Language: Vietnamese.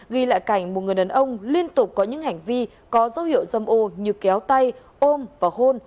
ghi lại cảnh một người đàn ông liên tục có những hành vi có dấu hiệu dâm ô như kéo tay ôm và hôn